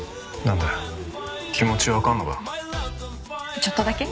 ちょっとだけ。